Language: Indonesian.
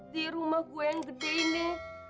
di rumah gue yang gede ini